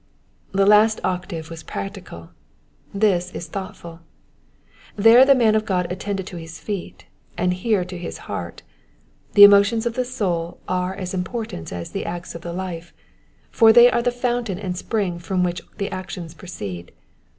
The last octave was practical, this is thoughtful ; there the man of God attended to his feet, and here to his heart : the emotions of the soul are as important as the acts of the life, for they are the fountain and spring from which the actions proceed.